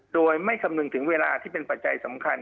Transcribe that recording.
โดยไม่คำนึงถึงเวลาที่เป็นปัจจัยสำคัญ